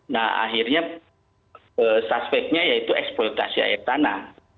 nah akhirnya suspeknya yaitu eksploitasi air tanah